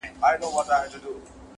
یا بس گټه به راوړې په شان د وروره,